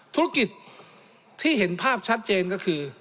ธุรกิจที่เห็นภาพชัดเจนก็คือ